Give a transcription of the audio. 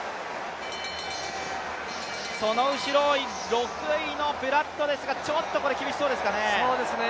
６位のプラットですが、ちょっと厳しそうですかね。